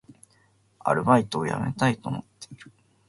アルバイトを辞めたいと思っている